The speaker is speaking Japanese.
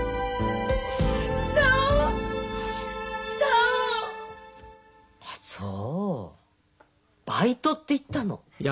あそうバイトって言ったの。